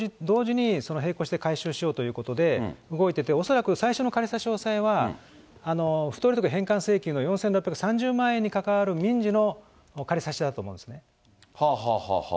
町は２本を同時にその並行して回収しようということで、動いてて、恐らく最初の仮差し押さえは、とか返還請求の４６３０万円に関わる民事の仮差し押さえだと思うんですね。